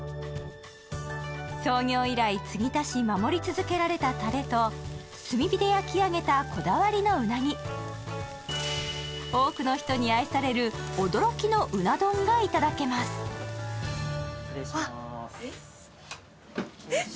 創業以来継ぎ足し守り続けられたタレと炭火で焼き上げたこだわりのうなぎ多くの人に愛される驚きの鰻丼がいただけます失礼しますえっ